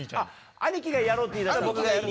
兄貴が「やろう」って言い出したのか。